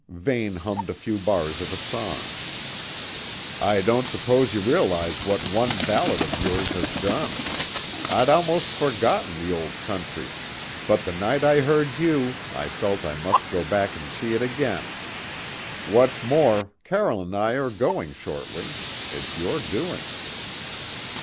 Vane hummed a few bars of a song. "I don't suppose you realise what one ballad of yours has done. I'd almost forgotten the Old Country, but the night I heard you I felt I must go back and see it again. What's more, Carroll and I are going shortly; it's your doing."